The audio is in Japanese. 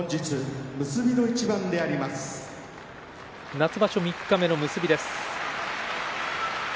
夏場所三日目結びの一番です。